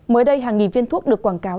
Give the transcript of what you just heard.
mới đây hàng nghìn viên thuốc được quảng cáo